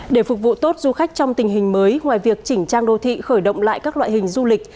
để phục vụ tốt du khách trong tình hình mới ngoài việc chỉnh trang đô thị khởi động lại các loại hình du lịch